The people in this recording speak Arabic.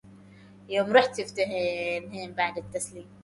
بكم أستأجر هذا البيت؟